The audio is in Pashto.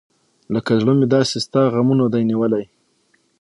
لکه زړه مې داسې ستا غمونه دى نیولي .